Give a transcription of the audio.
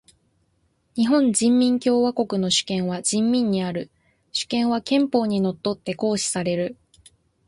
日本人民共和国の主権は人民にある。主権は憲法に則って行使される。